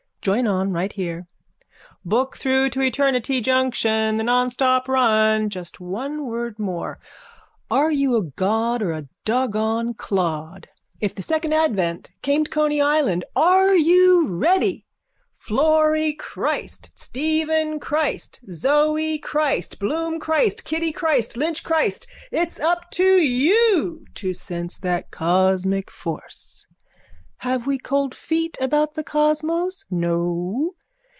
Join on right here. Book through to eternity junction, the nonstop run. Just one word more. Are you a god or a doggone clod? If the second advent came to Coney Island are we ready? Florry Christ, Stephen Christ, Zoe Christ, Bloom Christ, Kitty Christ, Lynch Christ, it's up to you to sense that cosmic force. Have we cold feet about the cosmos? No.